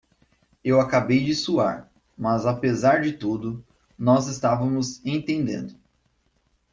Eu acabei de suar, mas apesar de tudo, nós estamos entendendo.